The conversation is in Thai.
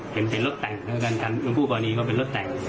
เห็นเป็นรถแต่งทั้งกันคุณผู้ก่อนนี้ก็เป็นรถแต่ง